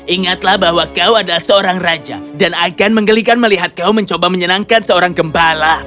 ingatlah bahwa kau adalah seorang raja dan akan menggelikan melihat kau mencoba menyenangkan seorang gembala